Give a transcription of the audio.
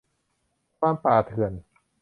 ความป่าเถื่อน